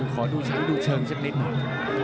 ขอดูชั้นดูเชิงสักนิดหนึ่ง